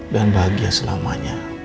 dan bahagia selamanya